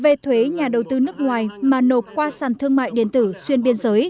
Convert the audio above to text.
về thuế nhà đầu tư nước ngoài mà nộp qua sàn thương mại điện tử xuyên biên giới